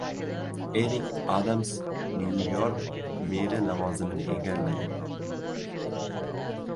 Erik Adams Nyu-York meri lavozimini egalladi